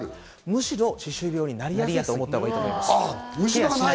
むしろ歯周病になりやすいと思ったほうがいいと思います。